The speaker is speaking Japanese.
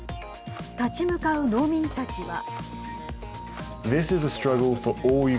立ち向かう農民たちは。